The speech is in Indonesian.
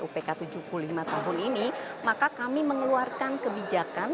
upk tujuh puluh lima tahun ini maka kami mengeluarkan kebijakan